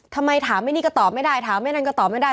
ทำไมถามไม่นี่ก็ตอบไม่ได้ถามไม่นั้นก็ตอบไม่ได้